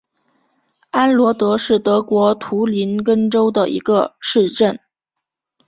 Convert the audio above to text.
安罗德是德国图林根州的一个市镇。